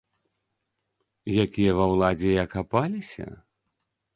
Якія ва ўладзе і акапаліся?